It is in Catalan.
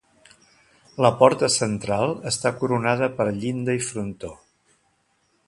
La porta central està coronada per llinda i frontó.